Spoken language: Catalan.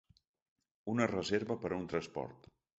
Una reserva per a un transport.